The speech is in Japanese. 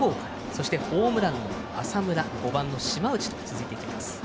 そして、ホームランの浅村５番の島内と続いていきます。